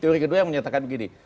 teori kedua yang menyatakan gini